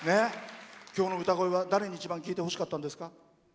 きょうの歌声は誰に一番聴いてほしかったんですか？